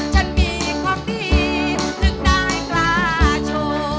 ฉันมีความดีถึงได้กล้าโชว์